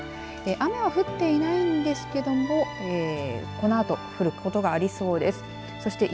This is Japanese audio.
雨は降っていないんですけどもこのあと降ることがありそうです。